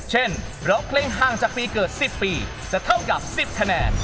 ร้องเพลงห่างจากปีเกิด๑๐ปีจะเท่ากับ๑๐คะแนน